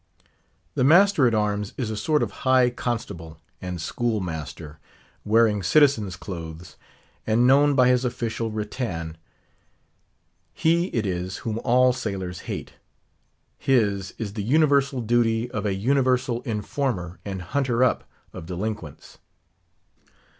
The master at arms is a sort of high constable and school master, wearing citizen's clothes, and known by his official rattan. He it is whom all sailors hate. His is the universal duty of a universal informer and hunter up of delinquents.